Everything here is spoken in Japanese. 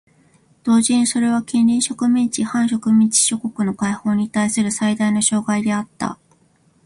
同時にそれは近隣植民地・半植民地諸国の解放にたいする最大の障害であった。